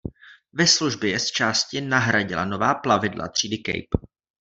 Ve službě je zčásti nahradila nová plavidla třídy "Cape".